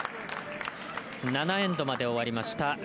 ７エンドまで終わりました。